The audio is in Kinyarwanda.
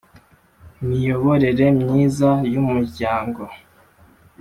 Miyoborere myiza y umuryango